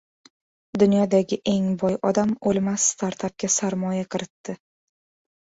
Dunyodagi eng boy odam o‘lmas startapga sarmoya kiritdi